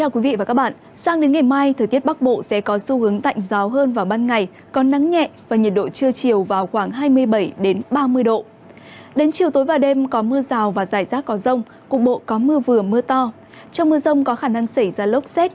các bạn hãy đăng ký kênh để ủng hộ kênh của chúng mình nhé